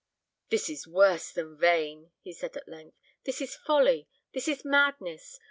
"This is worse than vain," he said at length; "this is folly; this is madness.